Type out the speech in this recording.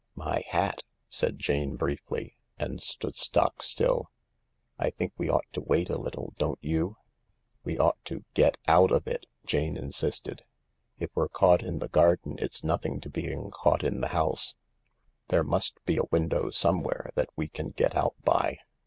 " My hat !" said Jane briefly. And stood stock still. " I think we ought to wait a little, don't you ?"" We ought to get out of ' it/' Jane insisted. " If we're caught in the garden it's nothing to being caught in the house. THE LARK 55 There must be a window somewhere that we can get out by."